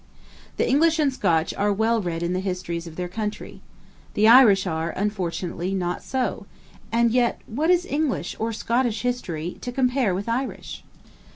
The English and Scotch are well read in the histories of their country. The Irish are, unfortunately, not so; and yet, what is English or Scottish history to compare with Irish?